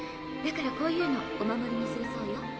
だからこういうのお守りにするそうよ。